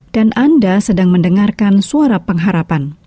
dan anda sedang mendengarkan suara pengharapan